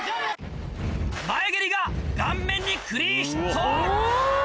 前蹴りが顔面にクリーンヒット！